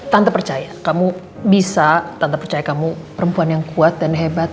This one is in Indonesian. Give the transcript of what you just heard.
tante percaya kamu bisa tanpa percaya kamu perempuan yang kuat dan hebat